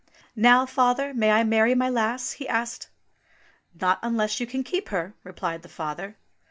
"Now, father, may I marry my lass ?" he asked. "Not unless you can keep her," replied the father.